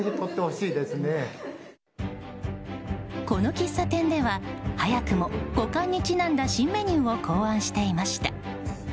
この喫茶店では早くも五冠にちなんだ新メニューを考案していました。